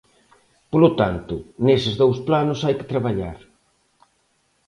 Polo tanto, neses dous planos hai que traballar.